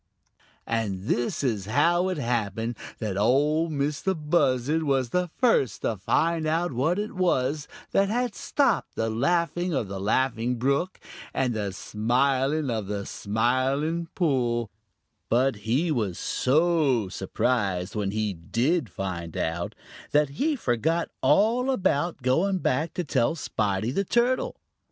And this is how it happened that Ol' Mistah Buzzard was the first to find out what it was that had stopped the laughing of the Laughing Brook and the smiling of the Smiling Pool, but he was so surprised when he did find out, that he forgot all about going back to tell Spotty the Turtle.